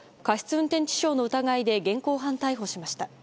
運転致傷の疑いで現行犯逮捕しました。